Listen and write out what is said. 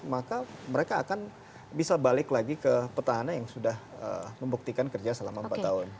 maka mereka akan bisa balik lagi ke petahana yang sudah membuktikan kerja selama empat tahun